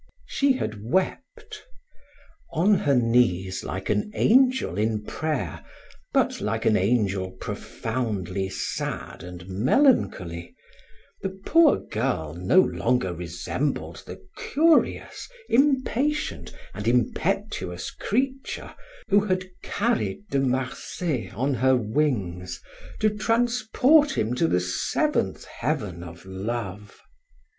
She had wept. On her knees like an angel in prayer, but like an angel profoundly sad and melancholy, the poor girl no longer resembled the curious, impatient, and impetuous creature who had carried De Marsay on her wings to transport him to the seventh heaven of love.